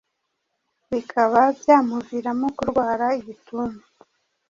bikaba byamuviramo kurwara igituntu.